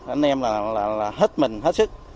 anh em là hết mình hết sức